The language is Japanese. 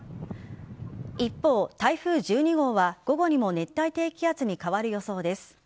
一方、台風１２号は午後にも熱帯低気圧に変わる予想です。